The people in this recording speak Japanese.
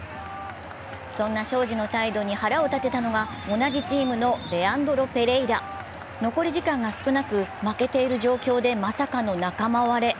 そんな昌子の態度に腹を立てたのが同じチームのレアンドロ・ペレイラ残り時間が少なく、負けている状況でまさかの仲間割れ。